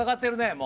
もう。